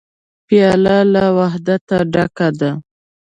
پیاله له وحدته ډکه ده.